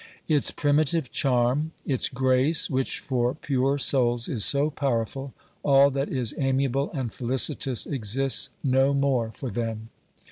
Its primitive charm, its grace which, for pure souls, is so powerful, all that is amiable and felicitous exists no more for them.